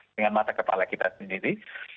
dengan mata kepala kita sendiri